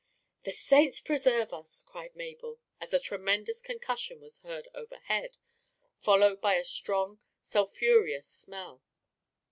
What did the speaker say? "The saints preserve us!" cried Mabel, as a tremendous concussion was heard overhead, followed by a strong sulphureous smell.